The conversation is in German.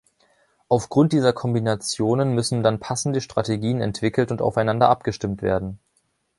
Aufgrund dieser Kombinationen müssen dann passende Strategien entwickelt und aufeinander abgestimmt werden.